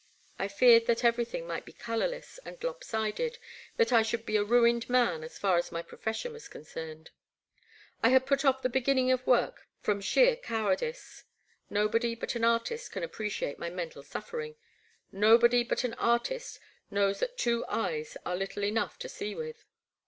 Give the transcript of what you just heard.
I feared that everything might be colourless and lop sided, that I should be a ruined man as far as my profession was concerned. I had put off the beginning of work from sheer cow ardice. Nobody but an artist can appreciate my mental suffering; — ^nobody but an artist knows 152 The Black Water. that two eyes are little enough to see with.